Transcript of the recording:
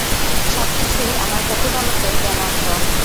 সব কিছুই আমার প্রতিপালকের জ্ঞানায়ত্ত।